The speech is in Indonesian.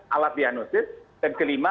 alat diagnosis dan kelima